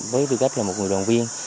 với tư cách là một người đoàn viên